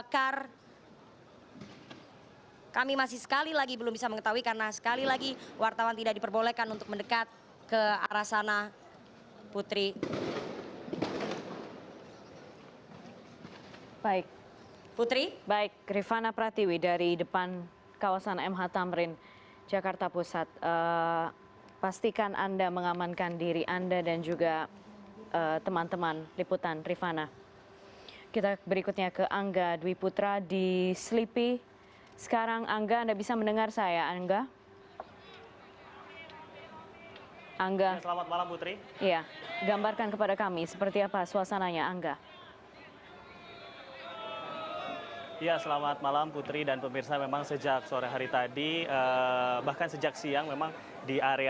karena tadi pukul sembilan belas sempat ada negosiasi yang dikatakan pengunjuk rasa akan mundur